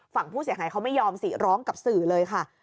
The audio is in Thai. ฝั่งผู้เสียหายเขาไม่ยอมสิร้องกับสื่อเลยค่ะ